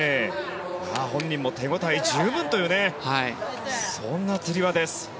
本人も手応え十分というそんなつり輪です。